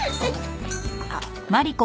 あっ。